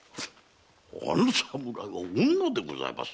あの侍は女でございますな。